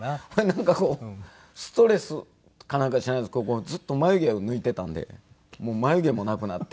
なんかこうストレスかなんか知らないですけどずっと眉毛を抜いていたんで眉毛もなくなってみたいな。